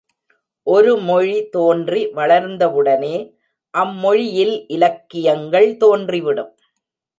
ஒரு மொழி தோன்றி வளர்ந்தவுடனே, அம்மொழி யில் இலக்கியங்கள் தோன்றிவிடும்.